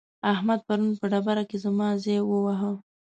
احمد پرون په ډبره کې زما ځای وواهه.